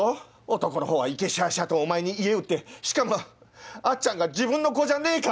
⁉男のほうはいけしゃあしゃあとお前に家売ってしかもあっちゃんが自分の子じゃねえかもって。